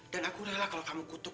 dan aku udah lah kalau kamu kutuk